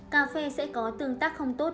cà phê sẽ có tương tác không tốt